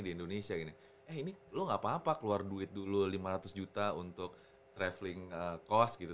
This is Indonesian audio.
di indonesia ini ini lu nggak apa apa keluar duit dulu lima ratus juta untuk traveling kos gitu